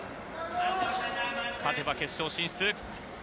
勝てば決勝進出。